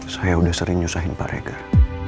saya udah sering nyusahin pak reger